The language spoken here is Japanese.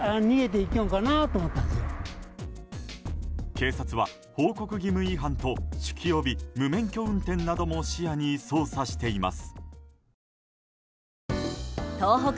警察は報告義務違反と酒気帯び・無免許運転なども視野に捜査しています。